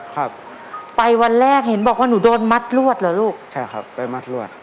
ครับไปวันแรกเห็นบอกว่าหนูโดนมัดรวดเหรอลูกใช่ครับไปมัดรวด